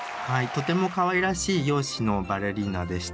とてもかわいらしい容姿のバレリーナでしたね。